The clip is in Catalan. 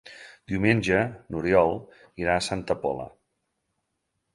Diumenge n'Oriol irà a Santa Pola.